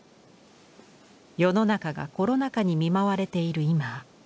世の中がコロナ禍に見舞われている今。